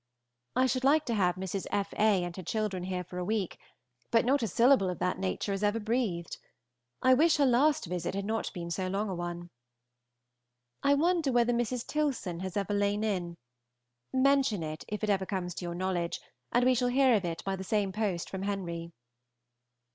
I should like to have Mrs. F. A. and her children here for a week, but not a syllable of that nature is ever breathed. I wish her last visit had not been so long a one. I wonder whether Mrs. Tilson has ever lain in. Mention it if it ever comes to your knowledge, and we shall hear of it by the same post from Henry.